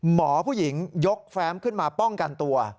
หมอผู้หญิงยกแฟ้มขึ้นมาป้องกันตัว